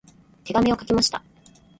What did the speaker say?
手紙を書きました。